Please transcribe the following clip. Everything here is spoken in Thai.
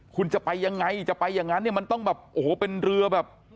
คุณจะไปยังไงจะไปอย่างนั้นเนี่ยมันต้องแบบโอ้โหเป็นเรือแบบ